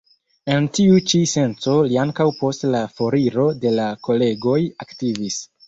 En tiu ĉi senco li ankaŭ post la foriro de la kolegoj aktivis.